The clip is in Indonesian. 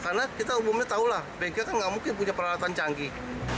karena kita umumnya tahu lah bengkel kan nggak mungkin punya peralatan canggih